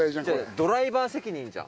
ドライバー責任じゃん。